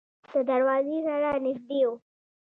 د دروازې سره نږدې و.